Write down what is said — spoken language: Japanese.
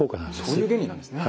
そういう原理なんですね。